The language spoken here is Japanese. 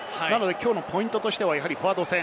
きょうのポイントとしてはフォワード戦。